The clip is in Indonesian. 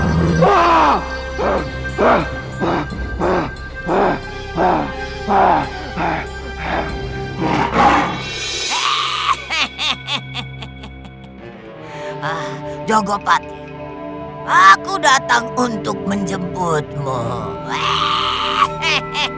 gw lalu komik yang seperti apa ni